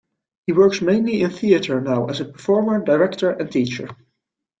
He works mainly in theatre now as a performer, director and teacher.